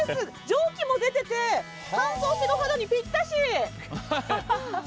蒸気も出てて乾燥している肌にぴったし！